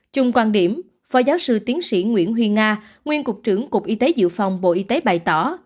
chung quan điểm phó giáo sư tiến sĩ nguyễn huy nga nguyên cục trưởng cục y tế dự phòng bộ y tế bày tỏ